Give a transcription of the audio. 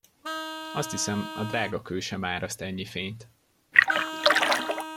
Azt hiszem, a drágakő sem áraszt ennyi fényt!